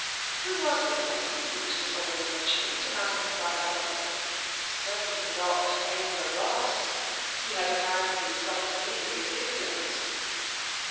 Who was the person Bruce was always mentioning to Madame Frabelle? Certainly not Aylmer Ross he had apparently forgotten his existence.